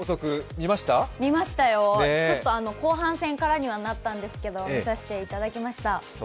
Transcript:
見ましたよ、後半戦からになったんですけども見させていただきました。